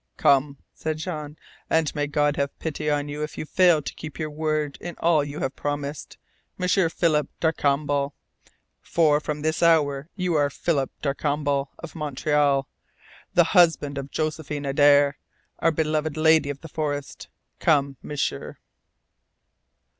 "Come," said Jean. "And may God have pity on you if you fail to keep your word in all you have promised, M'sieur Philip Darcambal. For from this hour on you are Philip Darcambal, of Montreal, the husband of Josephine Adare, our beloved lady of the forests. Come, M'sieur!"